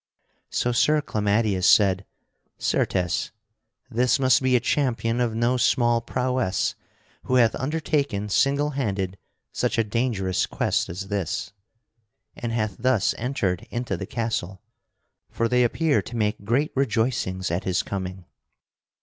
So Sir Clamadius said: "Certes, this must be a champion of no small prowess who hath undertaken single handed such a dangerous quest as this, and hath thus entered into the castle, for they appear to make great rejoicings at his coming.